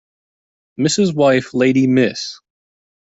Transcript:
Mrs. wife lady Miss